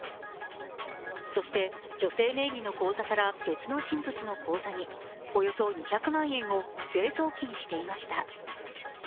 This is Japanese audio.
そして、女性名義の口座から別の人物の口座におよそ２００万円を不正送金していました。